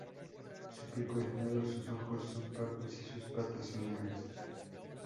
Su pico es negro, sus ojos son pardos y sus patas son negras.